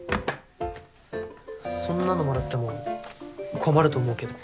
そんなの貰っても困ると思うけど。